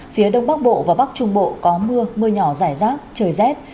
phía đông bắc bộ và bắc trung bộ có mưa mưa nhỏ rải rác trời rét